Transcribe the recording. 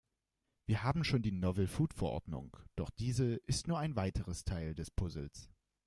Wir haben schon die Novel-Food-Verordnung, doch diese ist nur ein weiteres Teil des Puzzles.